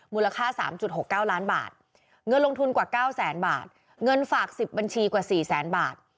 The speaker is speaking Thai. มูลค่า๓๖๙ล้านบาทเงินลงทุนกว่า๙แสนบาทเงินฝาก๑๐บัญชีกว่า๔แสนบาท